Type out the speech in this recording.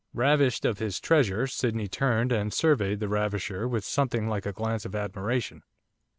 Ravished of his treasure, Sydney turned and surveyed the ravisher with something like a glance of admiration.